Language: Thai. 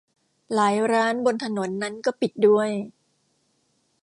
หลายร้านบนถนนนั้นก็ปิดด้วย